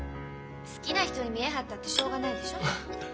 好きな人に見え張ったってしょうがないでしょう？